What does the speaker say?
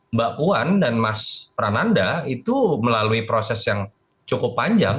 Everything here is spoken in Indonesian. mbak puan dan mas prananda itu melalui proses yang cukup panjang